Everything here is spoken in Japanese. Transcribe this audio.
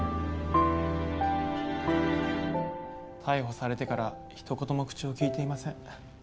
逮捕されてからひと言も口を利いていません。